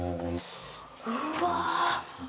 うわ。